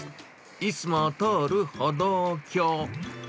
いつも通る歩道橋。